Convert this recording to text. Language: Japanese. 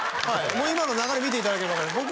もう今の流れ見ていただければ分かります